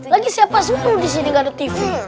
lagi siapa semua disini gak ada tv